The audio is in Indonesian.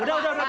udah udah udah